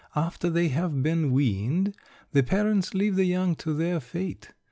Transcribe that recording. After they have been weaned the parents leave the young to their fate.